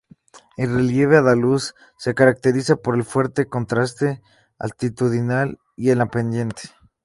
El relieve andaluz se caracteriza por el fuerte contraste altitudinal y en la pendiente.